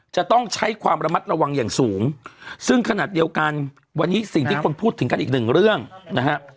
จะต้องใช้ความระมัดระวังอย่างสูงซึ่งขนาดเดียวกันวันนี้สิ่งที่คนพูดถึงกันอีกหนึ่งเรื่องนะฮะ